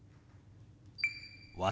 「私」。